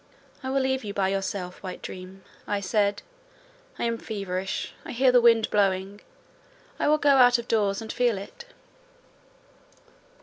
"I will leave you by yourself, white dream," I said. "I am feverish: I hear the wind blowing: I will go out of doors and feel it."